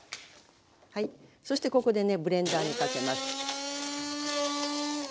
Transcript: はいそしてここでねブレンダーにかけます。